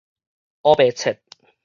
烏白切